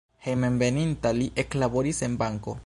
Hejmenveninta li eklaboris en banko.